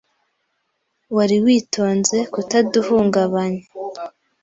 Wari witonze kutaduhungabanya.